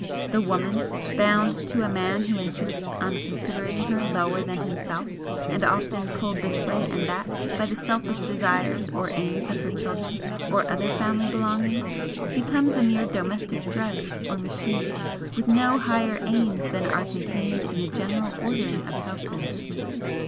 The woman, bound to a man who insists on considering her lower than himself, and often pulled this way and that by the selfish desires or aims of her children or other family belongings, becomes a mere domestic drudge or machine, with no higher aims than are contained in the general ordering of household business.